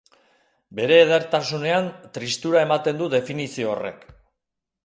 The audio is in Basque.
Bere edertasunean tristura ematen du definizio horrek.